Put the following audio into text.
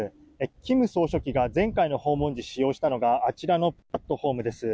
金総書記が前回の訪問時、使用したのがあちらのプラットホームです。